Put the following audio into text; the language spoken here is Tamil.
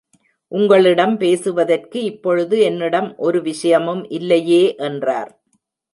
உங்களிடம் பேசுவதற்கு இப்பொழுது என்னிடம் ஒரு விஷயமும் இல்லையே என்றார்.